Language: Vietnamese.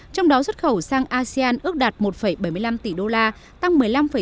trong đó xuất khẩu sang asean ước đạt một bảy mươi năm tỷ đô la tăng một mươi năm bảy